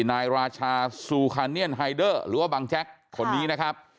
นายราชาซูคาเนียนไฮเดอร์หรือว่าบังแจ็คคนนี้นะครับ